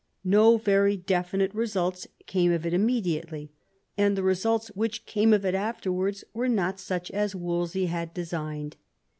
No very definite results came of it immediately, and the results which came of it afterwards were not such as Wolsey had designed.